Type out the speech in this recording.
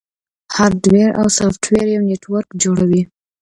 هارډویر او سافټویر یو نیټورک جوړوي.